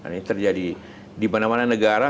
ini terjadi di mana mana negara